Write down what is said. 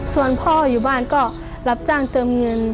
ส่วนพ่ออยู่บ้านก็รับจ้างเติมเงิน